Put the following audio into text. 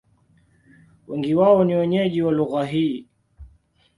Wengi wao ni wenyeji wa lugha hii.